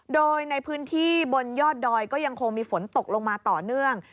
โดยในพื้นที่บนยอดดอยก็ยังคงมีฝนตกลงมาต่อเนื่อง